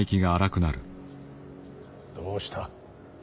どうした。